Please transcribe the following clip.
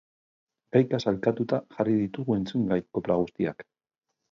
Gaika sailkatuta jarri ditugu entzungai kopla guztiak.